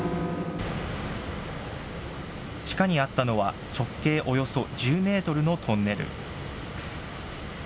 地下にあったのは直径およそ１０メートルのトンネル。